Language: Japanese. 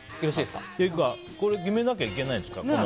決めなきゃいけないんですか。